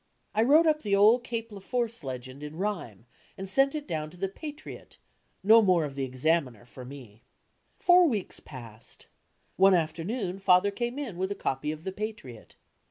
I wrote up the old Cape Leforce legend in rhyme and sent it down home to the Patriot, no more of the Examiner for me! Four weeks passed. One afternoon Father came in with a copy of the Patriot.